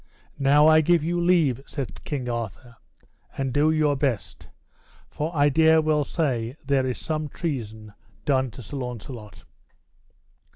Now I give you leave, said King Arthur, and do your best, for I dare well say there is some treason done to Sir Launcelot.